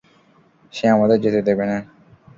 সে আমাদের যেতে দেবে না।